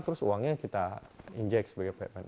terus uangnya kita injek sebagai pmn